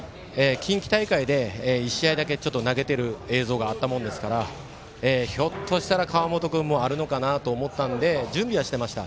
近畿大会で１試合だけ投げている映像があったもんですからひょっとしたら川本君もあるのかなと思ったので準備はしていました。